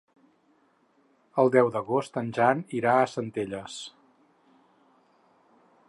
El deu d'agost en Jan irà a Centelles.